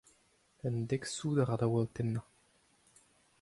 Un dek soudard a oa o tennañ.